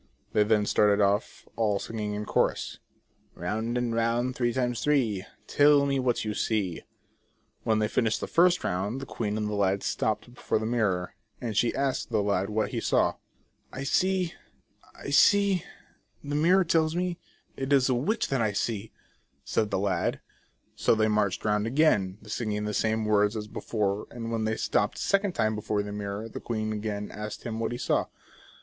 They then started off, all singing in chorus :" Round and round three times three, Tell me what you see" When they finished the first round, the queen and lad stopped before the mirror, and she asked the lad what he saw ?" 7 see, I see, the mirror tells me, It is the witch that I see" .said the lad. So they marched round again, singing the same words as before, and when they stopped a second time before the mirror the queen again asked him what he saw?